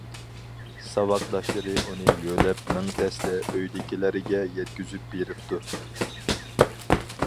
ساۋاقداشلىرى ئۇنى يۆلەپ مىڭ تەستە ئۆيدىكىلەرگە يەتكۈزۈپ بېرىپتۇ.